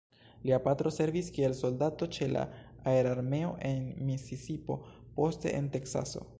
Lia patro servis kiel soldato ĉe la aerarmeo en Misisipo, poste en Teksaso.